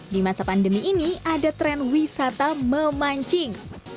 di masa pandemi ini ada tren wisata memancing